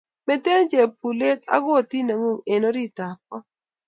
Mete chepkulet ak koti ngung eng orit ab ko